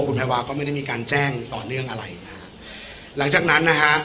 คุณแพรวาก็ไม่ได้มีการแจ้งต่อเนื่องอะไรนะฮะหลังจากนั้นนะฮะ